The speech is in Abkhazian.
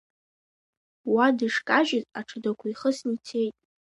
Уа дышкажьыз аҽадақәа ихысны ицеит.